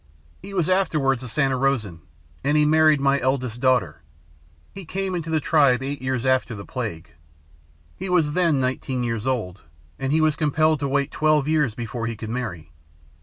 He was afterwards a Santa Rosan, and he married my eldest daughter. He came into the tribe eight years after the plague. He was then nineteen years old, and he was compelled to wait twelve years more before he could marry.